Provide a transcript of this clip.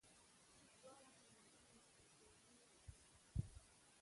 دواړه منظمې شوې. په لومړيو لسيزو کې